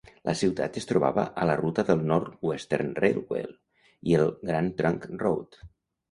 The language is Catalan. La ciutat es trobava a la ruta del North-Western Railway i el Grand Trunk Road.